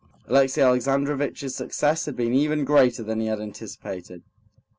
Alexey Alexandrovitch's success had been even greater than he had anticipated.